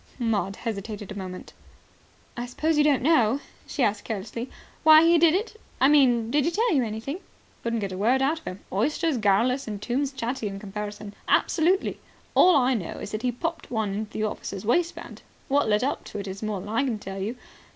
Maud hesitated a moment. "I suppose you don't know," she asked carelessly, "why he did it? I mean, did he tell you anything?" "Couldn't get a word out of him. Oysters garrulous and tombs chatty in comparison. Absolutely. All I know is that he popped one into the officer's waistband. What led up to it is more than I can tell you.